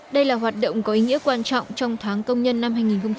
đây là hoạt động có ý nghĩa quan trọng trong tháng công nhân năm hai nghìn hai mươi